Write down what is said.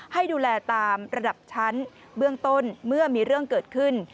ให้ดูแลตามระดับชั้นเบื้องต้นเมื่อมีเรื่องเกิดขึ้น